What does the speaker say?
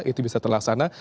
itu bisa terlaksana